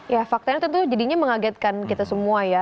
ya faktanya tentu jadinya mengagetkan kita semua ya